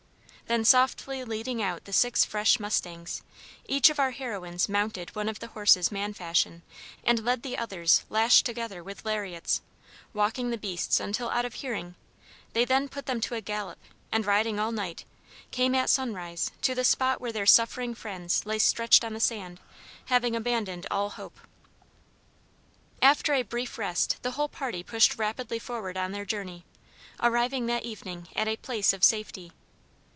Then softly leading out the six fresh mustangs, each of our heroines mounted one of the horses man fashion and led the others lashed together with lariats; walking the beasts until out of hearing, they then put them to a gallop, and, riding all night, came, at sunrise, to the spot where their suffering friends lay stretched on the sand, having abandoned all hope. After a brief rest, the whole party pushed rapidly forward on their journey, arriving that evening at a place of safety.